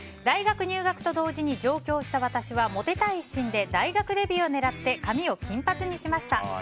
大学入学と同時に上京した私は、モテたい一心で大学デビューを狙って髪を金髪にしました。